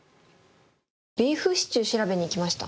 ビーフシチュー調べに行きました。